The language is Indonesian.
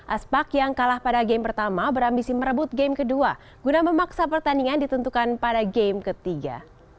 aspak yang kalah pada game pertama berambisi merebut game kedua guna memaksa pertandingan ditentukan pada game ketiga